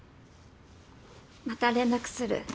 また連絡する。